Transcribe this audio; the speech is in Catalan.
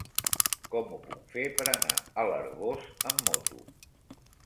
Com ho puc fer per anar a l'Arboç amb moto?